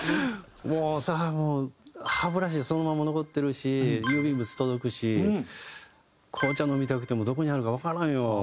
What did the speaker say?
「もうさ歯ブラシそのまま残ってるし郵便物届くし紅茶飲みたくてもどこにあるかわからんよ」。